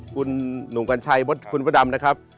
คุณหนุ่มกัญชัยมดคุณพระดำนะครับ